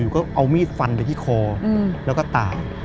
ก็เอามีดฟันไปที่คอแล้วก็ตาย